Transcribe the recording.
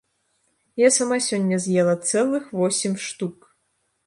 Я сама сёння з'ела цэлых восем штук!